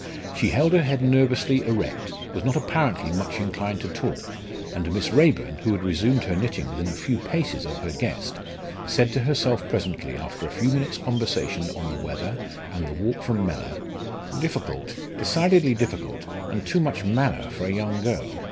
She held her head nervously erect, was not apparently much inclined to talk, and Miss Raeburn, who had resumed her knitting within a few paces of her guest, said to herself presently after a few minutes' conversation on the weather and the walk from Mellor: "Difficult decidedly difficult and too much manner for a young girl.